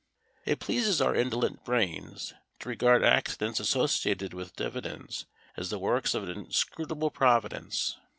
It pleases our indolent brains to regard accidents associated with dividends as the works of an inscrutable Providence.